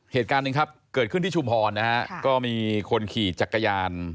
เหตุการณ์ขึ้นที่ชุมภรณ์มีคนขี่จักรยาน